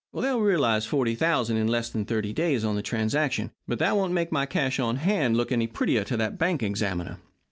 They'll realise $40,000 in less than thirty days on the transaction, but that won't make my cash on hand look any prettier to that bank examiner.